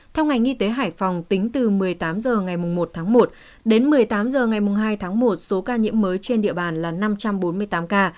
theo ngành y tế hải phòng tính từ một mươi tám h ngày một tháng một đến một mươi tám h ngày hai tháng một số ca nhiễm mới trên địa bàn là năm trăm bốn mươi tám ca